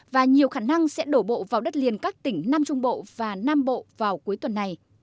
và nhiều khả năng sẽ đổ bộ vào đất liền các tỉnh nam trung bộ và nam bộ vào cuối tuần này